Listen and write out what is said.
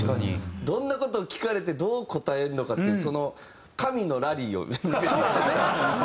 どんな事を聞かれてどう答えるのかっていうその神のラリーをね見せて。